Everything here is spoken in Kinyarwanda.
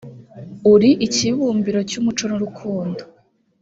uli ikibumbiro cy’umuco n’urukundo